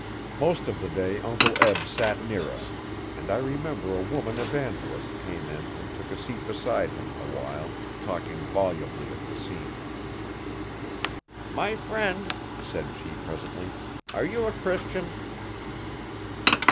Most of the day Uncle Eb sat near us and I remember a woman evangelist came and took a seat beside him, awhile, talking volubly of the scene. 'My friend,' said she presently, 'are you a Christian?